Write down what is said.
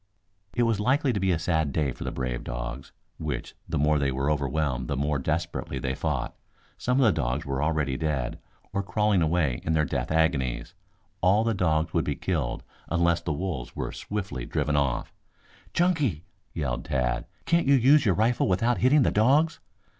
It was likely to be a sad day for the brave dogs, which, the more they were overwhelmed, the more desperately they fought. Some of the dogs were already dead, or crawling away in their death agonies. All of the dogs would be killed unless the wolves were swiftly driven off. "Chunky," yelled Tad, "can't you use your rifle without hitting the dogs?"